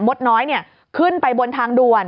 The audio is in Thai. มดน้อยเนี่ยขึ้นไปบนทางดวน